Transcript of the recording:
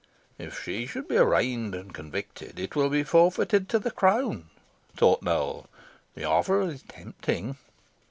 "If she should be arraigned and convicted it will be forfeited to the crown," thought Nowell; "the offer is tempting."